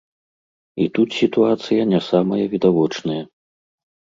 І тут сітуацыя не самая відавочная.